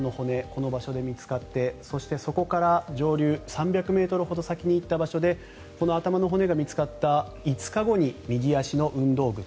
この場所で見つかってそしてそこから上流３００ｍほど先に行った場所でこの頭の骨が見つかった５日後に右足の運動靴